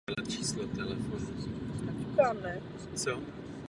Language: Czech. Je to důsledek především tří faktorů.